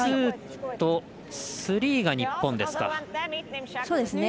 ツーとスリーが日本ですか。